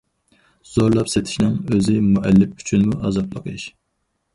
زورلاپ سېتىشنىڭ ئۆزى مۇئەللىپ ئۈچۈنمۇ ئازابلىق ئىش.